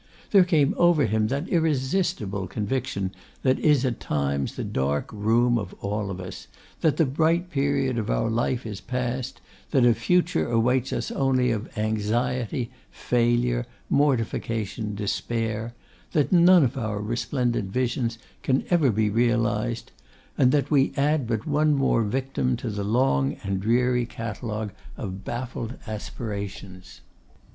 There came over him that irresistible conviction that is at times the dark doom of all of us, that the bright period of our life is past; that a future awaits us only of anxiety, failure, mortification, despair; that none of our resplendent visions can ever be realised: and that we add but one more victim to the long and dreary catalogue of baffled aspirations.